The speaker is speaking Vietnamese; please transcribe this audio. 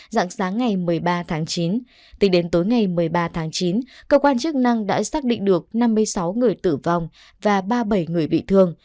dạng sáng ngày một mươi ba tháng chín tính đến tối ngày một mươi ba tháng chín cơ quan chức năng đã xác định được năm mươi sáu người tử vong và ba mươi bảy người bị thương